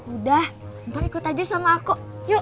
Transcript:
udah ntar ikut aja sama aku yuk